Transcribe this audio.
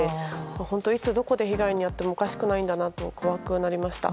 本当にいつどこで被害に遭ってもおかしくないんだなと怖くなりました。